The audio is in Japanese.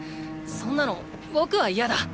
そんなの僕は嫌だ。